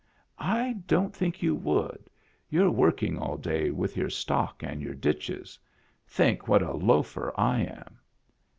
" I don't think you would. You're working all day with your stock and your ditches. Think what a loafer I am."